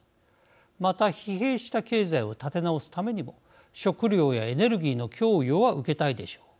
また疲弊した経済を立て直すためにも食料やエネルギーの供与は受けたいでしょう。